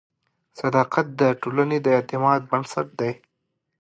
صداقت د ټولنې د اعتماد بنسټ دی.